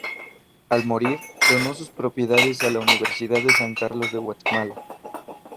Al morir, donó sus propiedades a la Universidad de San Carlos de Guatemala.